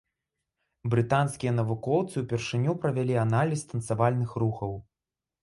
Брытанскія навукоўцы ўпершыню правялі аналіз танцавальных рухаў.